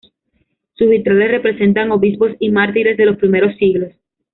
Sus vitrales representan obispos y mártires de los primeros siglos.